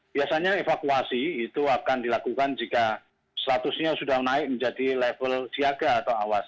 biasanya evakuasi itu akan dilakukan jika statusnya sudah naik menjadi level siaga atau awas